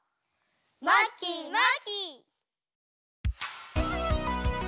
まきまき！